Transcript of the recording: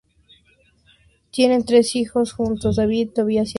Tienen tres hijos juntos: David, Tobias y Adam.